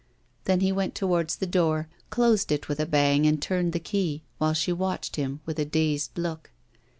Then he went towards the door, closed it with a bang and turned the key, while she watched him with a dazed look.